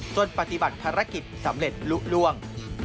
ปฏิบัติภารกิจสำเร็จลุล่วง